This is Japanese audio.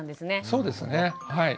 そうですねはい。